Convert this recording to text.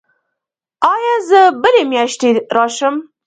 ایا زه بلې میاشتې راشم؟